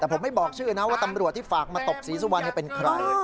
แต่ผมไม่บอกชื่อนะว่าตำรวจที่ฝากมาตบศรีสุวรรณเป็นใคร